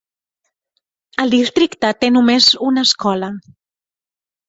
El districte té només una escola.